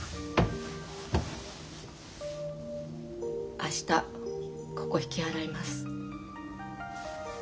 明日ここ引き払います。